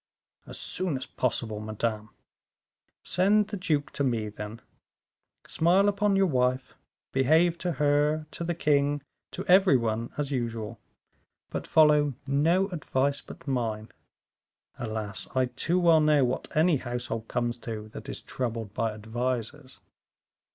"As soon as possible, madame." "Send the duke to me, then; smile upon your wife, behave to her, to the king, to every one, as usual. But follow no advice but mine. Alas! I too well know what any household comes to, that is troubled by advisers."